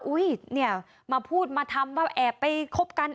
อุ้ยเนี่ยมาพูดมาทำว่าแอบไปคบกัน